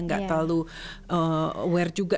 gak terlalu aware juga